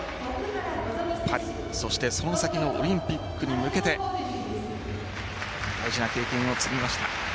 パリ、そしてその先のオリンピックに向けて大事な経験を積みました。